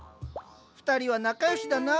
２人は仲良しだな。